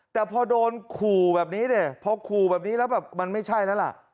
แต่พอโดนขู่แบบนี้เนี่ยพอขู่แบบนี้แล้วแบบมันไม่ใช่แล้วล่ะ